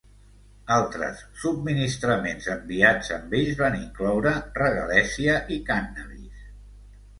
Altres subministraments enviats amb ells van incloure regalèssia i cànnabis.